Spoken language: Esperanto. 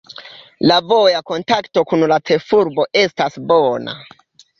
La voja kontakto kun la ĉefurbo estas bona.